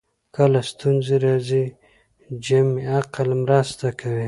کله ستونزې راځي جمعي عقل مرسته کوي